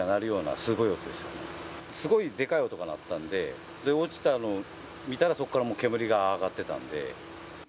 すごいでかい音が鳴ったんで、落ちたの見たら、そこからもう煙が上がってたんで。